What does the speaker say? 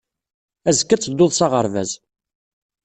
Azekka ad tedduḍ s aɣerbaz.